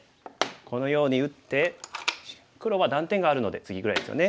このように打って黒は断点があるのでツギぐらいですよね。